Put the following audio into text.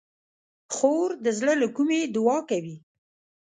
خور د زړه له کومي دعا کوي.